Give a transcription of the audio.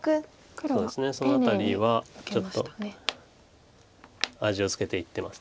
そうですねその辺りはちょっと味を付けていってます。